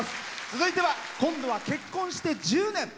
続いては今度は結婚して１０年。